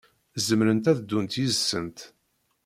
Zemrent ad ddun yid-sent.